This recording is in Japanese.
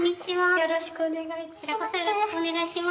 よろしくお願いします。